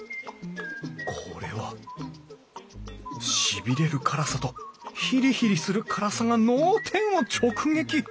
これはしびれる辛さとヒリヒリする辛さが脳天を直撃！